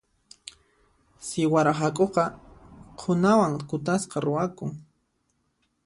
Siwara hak'uqa qhunawan kutaspa ruwakun.